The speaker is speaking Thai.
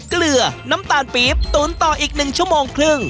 เกลือน้ำตาลปี๊บตุ๋นต่ออีก๑ชั่วโมงครึ่ง